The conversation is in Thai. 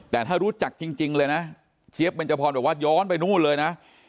แต่ถ้ารู้จักจริงเลยนะเจี๊ยบเบนจพรบอกว่าย้อนไปนู่นเลยนะ